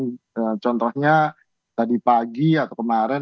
dan contohnya tadi pagi atau kemarin